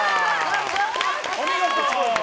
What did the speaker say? お見事！